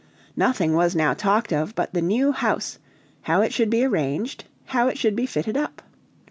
Nothing was now talked of but the new house, how it should be arranged, how it should be fitted up.